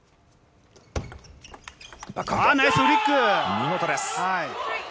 見事です。